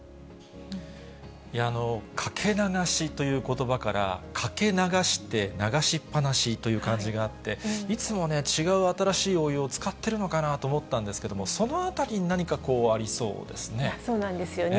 いやー、かけ流しということばから、かけ流して、流しっぱなしという感じがあって、いつもね、違う新しいお湯を使ってるのかなと思ったんですけれども、そのあたりに何かありそうでそうなんですよね。